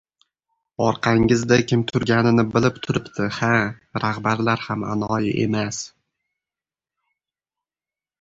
— Orqangizda kim turganini bilib turibdi, ha, rahbarlar ham anoyi emas!